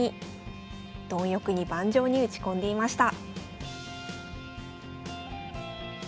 貪欲に盤上に打ち込んでいました。